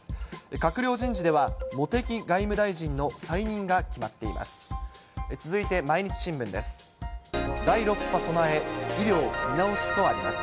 閣僚人事では、茂木外務大臣の再任が決まっています。